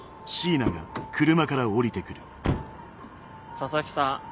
佐々木さん